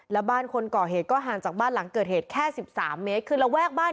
แล้วบ้านคนก่อเหตุก็ห่างจากบ้านหลังเกิดเหตุแค่สิบสามเมตรคือระแวกบ้าน